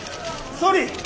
総理！